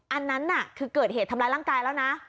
อันนั้นน่ะคือเกิดเหตุทำร้ายร่างกายแล้วนะ